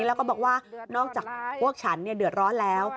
แล้วก็บอกว่านอกจากพวกฉันเดือดร้อนแล้ว